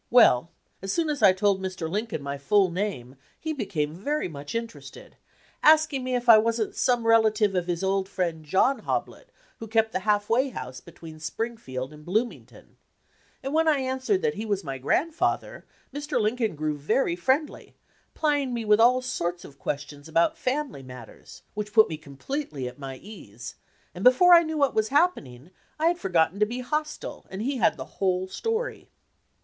Well, as soon as I told Mr. Lincoln my full name he became very much interested, asking me if I was n't some relative of his old friend John Hoblit who kept the half way house between Springfield and Blooming ton ; and when I answered that he was my grand father, Mr. Lincoln grew very friendly, plying me with all sorts of questions about family mat ters, which put me completely at my ease, and before I knew what was happening, I had for gotten to be hostile and he had the whole story.